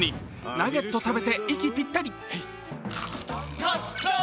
ナゲット食べて、息ぴったり。